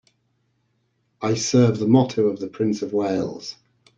I serve the motto of the Prince of Wales.